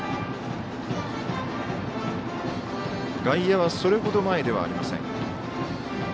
外野はそれほど前ではありません。